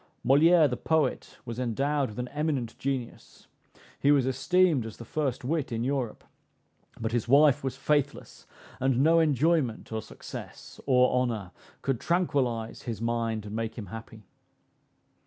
Moliere the poet was endowed with an eminent genius he was esteemed as the first wit in Europe; but his wife was faithless, and no enjoyment, or success, or honor could tranquillize his mind, and make him happy.